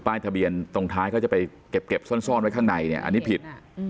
ทะเบียนตรงท้ายเขาจะไปเก็บซ่อนไว้ข้างในเนี่ยอันนี้ผิด